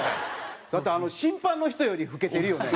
だってあの審判の人より老けてるよね。